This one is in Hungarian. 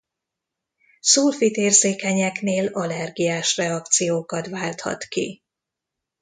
Szulfit-érzékenyeknél allergiás reakciókat válthat ki.